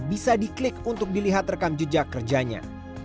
bisa diklik untuk dilihat rekam jejak kerjanya